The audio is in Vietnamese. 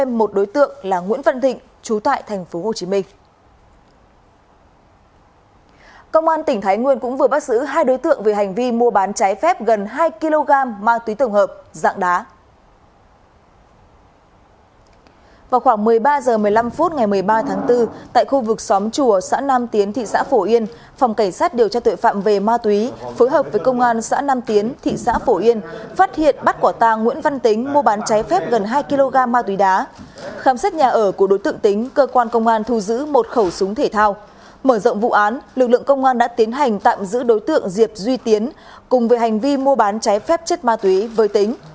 mở rộng vụ án lực lượng công an đã tiến hành tạm giữ đối tượng diệp duy tiến cùng với hành vi mua bán trái phép chất ma túy với tính